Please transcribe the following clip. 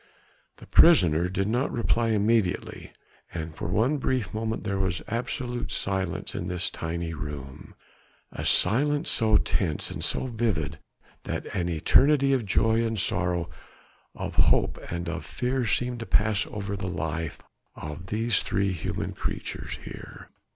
The prisoner did not reply immediately, and for one brief moment there was absolute silence in this tiny room, a silence so tense and so vivid that an eternity of joy and sorrow, of hope and of fear seemed to pass over the life of these three human creatures here.